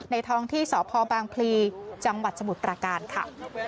ท้องที่สพบางพลีจังหวัดสมุทรประการค่ะ